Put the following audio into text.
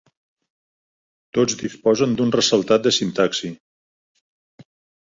Tots disposen d'un ressaltat de sintaxi.